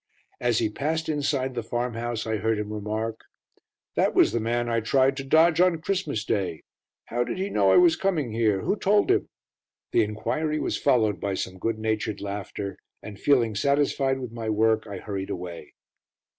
As he passed inside the farm house, I heard him remark: "That was the man I tried to dodge on Christmas Day. How did he know I was coming here? Who told him?" The enquiry was followed by some good natured laughter, and feeling satisfied with my work, I hurried away.